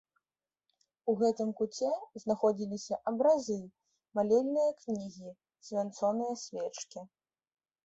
У гэтым куце знаходзіліся абразы, малельныя кнігі, свянцоныя свечкі.